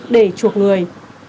để chuộc người